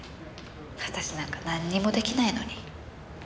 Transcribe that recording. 私なんかなんにも出来ないのに。